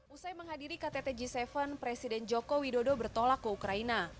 usai menghadiri ktt g tujuh presiden joko widodo bertolak ke ukraina